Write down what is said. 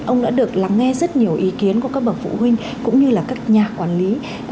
ông đã được lắng nghe rất nhiều ý kiến của các bậc phụ huynh cũng như là các nhà quản lý